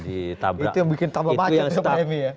itu yang bikin tambah macet ya pak emi ya